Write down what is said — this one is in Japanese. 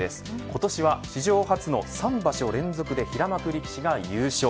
今年は史上初の３場所連続で平幕力士が優勝。